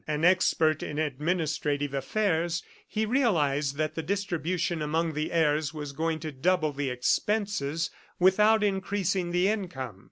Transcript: An expert in administrative affairs, he realized that the distribution among the heirs was going to double the expenses without increasing the income.